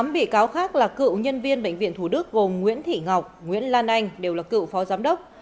tám bị cáo khác là cựu nhân viên bệnh viện thủ đức gồm nguyễn thị ngọc nguyễn lan anh đều là cựu phó giám đốc